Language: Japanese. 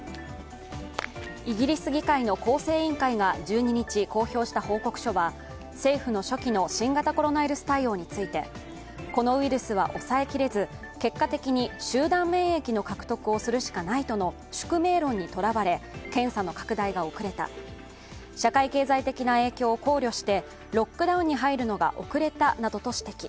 イギリス議会の厚生委員会が１２日、公表した報告書は政府の初期の新型コロナウイルス対応について、このウイルスは抑えきれず、結果敵に集団免疫の獲得をするしかないとの宿命論にとらわれ検査の拡大が遅れた社会経済的な影響を考慮してロックダウンに入るのが遅れたなどと指摘。